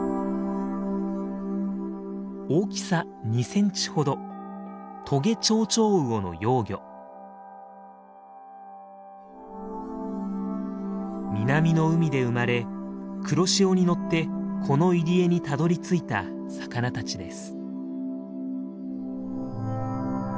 大きさ２センチほど南の海で生まれ黒潮に乗ってこの入り江にたどりついた魚たちです。